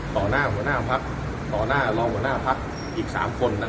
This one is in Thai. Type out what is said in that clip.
ต่อหน้าผมจะตัดลองหัวหน้าพักอีก๓คน